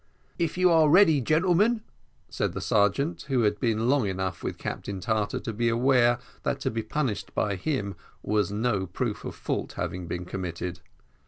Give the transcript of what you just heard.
"If you are ready, gentlemen," said the sergeant, who had been long enough with Captain Tartar to be aware that to be punished by him was no proof of fault having been committed.